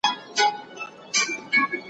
زه به اوږده موده د يادښتونه يادونه کړې وم..